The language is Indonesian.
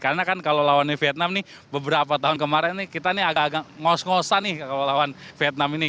karena kan kalau lawannya vietnam nih beberapa tahun kemarin nih kita nih agak agak ngos ngosan nih kalau lawan vietnam ini